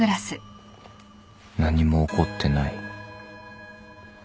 何も起こってない